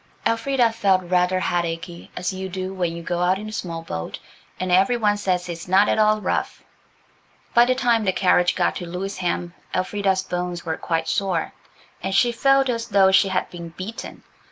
Elfrida felt rather headachy, as you do when you go out in a small boat and every one says it is not at all rough. By the time the carriage got to Lewisham Elfrida's bones were quite sore, and she felt as though she had been beaten.